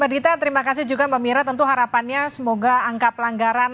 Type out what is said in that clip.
terima kasih mbak dita terima kasih juga mbak mira tentu harapannya semoga angka pelanggan semoga berhasil